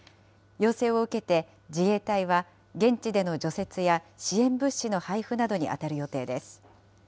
要請を受けて、自衛隊は現地での除雪や支援物資の配布などに当たる予定です。